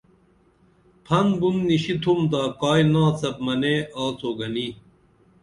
پھن بُن نِشِی تُھمتا کائی ناڅپ منے آڅو گنی